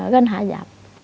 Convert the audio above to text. gần hai giáp